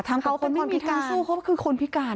ทำกับคนไม่มีทางสู้เขาคือคนพิการ